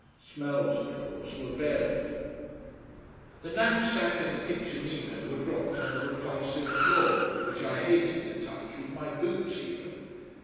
Smells of course were varied. The knapsack and the kitchenino were dropped on the repulsive floor, which I hated to touch with my boots even.